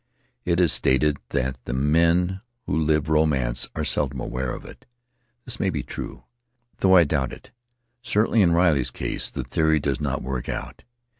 It is stated that the men who live romance are seldom aware of it; this may be true, though I doubt it — certainly in Riley's case the theory does not work out.